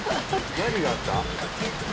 何があった？